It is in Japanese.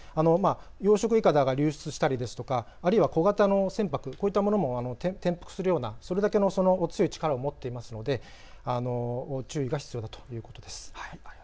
養殖いかだが流出したりですとかあるいは小型の船舶、こういったものが転覆するようなそれだけの強い力を持っているので注意が必要だということです。